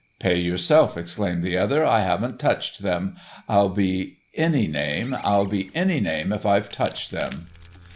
"Pay yourself," exclaimed the other, "I haven't touched them. I'll be any name, I'll be any name if I've touched them."